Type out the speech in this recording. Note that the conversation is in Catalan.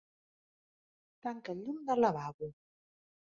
Tanca el llum del lavabo.